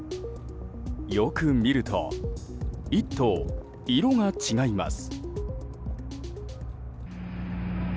よく見ると、１頭色が違います。